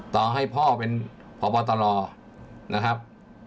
ต่อให้พ่อเป็นพบตรนะครับ